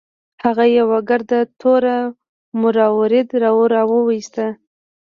هغه یو ګرد تور مروارید راوویست.